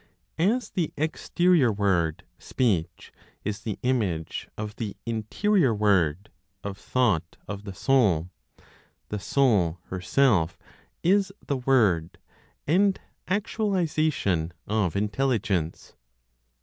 As the exterior word (speech) is the image of the (interior) word (of thought?) of the soul, the Soul herself is the word and actualization of Intelligence.